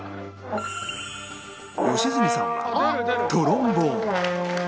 良純さんはトロンボーン